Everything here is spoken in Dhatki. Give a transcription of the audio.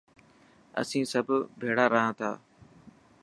اسين سڀ ڀيڙا رهان ٿا.